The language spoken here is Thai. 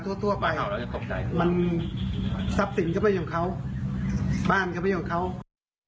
มันซับสินก็ไม่อยู่กับเขาบ้านก็ไม่อยู่กับเขา